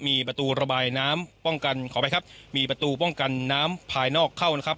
มีประตูระบายน้ำป้องกันขออภัยครับมีประตูป้องกันน้ำภายนอกเข้านะครับ